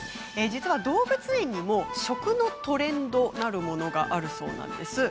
実は動物園にも、食のトレンドなるものがあるそうなんです。